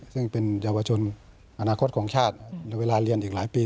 ซึ่งเป็นเยาวชนอนาคตของชาติในเวลาเรียนอีกหลายปี